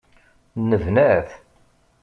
Nebna-t.